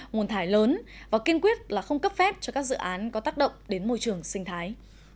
nguồn thải lớn và kiên quyết là không cấp phép cho các dự án có tác động đến môi trường sinh thái